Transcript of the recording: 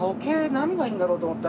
何がいいんだろうと思って。